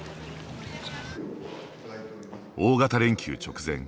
大型連休直前。